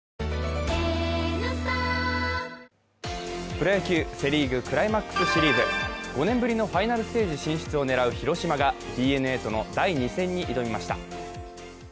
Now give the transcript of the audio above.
プロ野球、セ・リーグクライマックスシリーズ。５年ぶりのファイナルステージ進出を狙う広島がＤｅＮＡとの第２戦に挑みました。